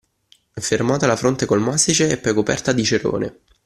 Fermata alla fronte col mastice e poi coperta di cerone.